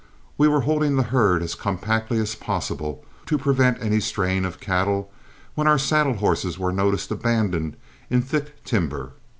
We were holding the herd as compactly as possible to prevent any straying of cattle, when our saddle horses were noticed abandoned in thick timber.